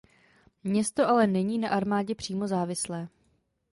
Město ale není na armádě přímo závislé.